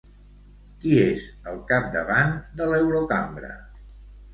Qui és el capdavant de l'Eurocambra?